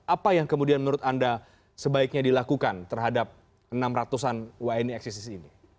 apa yang kemudian menurut anda sebaiknya dilakukan terhadap enam ratusan wni eksistis ini